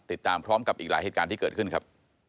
ติดตามพร้อมกับอีกหลายเหตุการณ์ที่เกิดขึ้นครับ